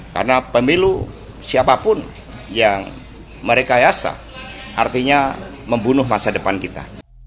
karena pemilu siapapun yang merekayasa artinya membunuh masa depan kita